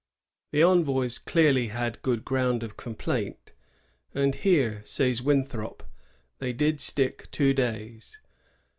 The envoys clearly had good ground of complaint; and here, says Winthrop, ^ they did stick two days.